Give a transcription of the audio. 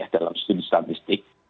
dalam studi statistik